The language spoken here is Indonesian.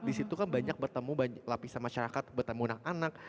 disitu kan banyak bertemu lapisan masyarakat bertemu anak anak